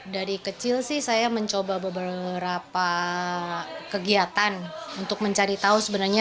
dari kecil sih saya mencoba beberapa kegiatan untuk mencari tahu sebenarnya